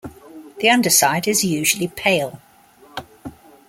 The underside is usually pale.